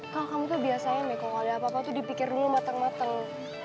kalau kamu tuh biasanya nih kalau ada apa apa tuh dipikir dulu matang mateng